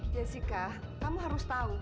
jessica kamu harus tahu